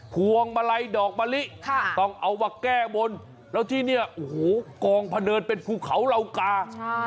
พวงมาลัยดอกมะลิต้องเอามาแก้บนแล้วที่เนี่ยโอ้โหกองพะเนินเป็นภูเขาเหล่ากา